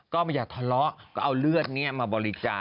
ก็ไม่อยากทะเลาะก็เอาเลือดนี้มาบริจาค